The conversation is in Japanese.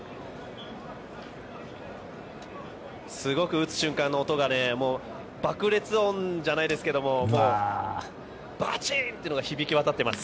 打つ瞬間の音が爆裂音じゃないですけどバチンというのが響き渡ってます。